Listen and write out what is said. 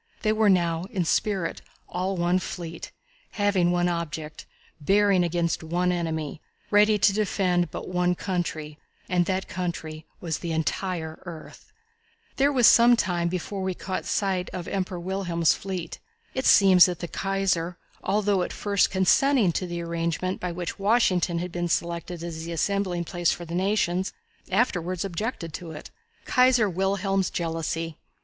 They were now, in spirit, all one fleet, having one object, bearing against one enemy, ready to defend but one country, and that country was the entire earth. It was some time before we caught sight of the Emperor William's fleet. It seems that the Kaiser, although at first consenting to the arrangement by which Washington had been selected as the assembling place for the nations, afterwards objected to it. Kaiser Wilhelm's Jealousy.